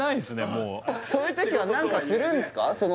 もうそういう時は何かするんですか？